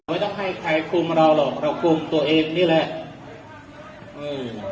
ไม่ต้องให้ใครคุมเราหรอกเราคุมตัวเองนี่แหละ